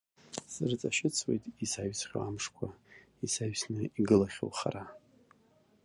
Срыҵашьыцуеит исаҩсхьоу амшқәа, исаҩсны игылахьоу хара.